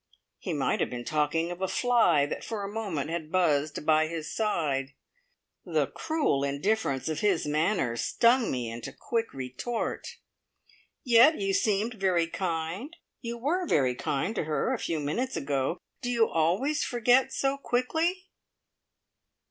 He might have been talking of a fly that for a moment had buzzed by his side. The cruel indifference of his manner stung me into quick retort. "Yet you seemed very kind you were very kind to her a few minutes ago. Do you always forget so quickly?"